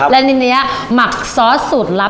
และทีนี้หมักซอสสูตรลับ